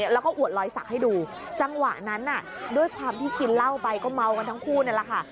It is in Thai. แล้วก็อวดรอยสักให้ดูจังหวะนั้นด้วยความที่กินเหล้าไปก็เมากันทั้งคู่นั่นแหละค่ะ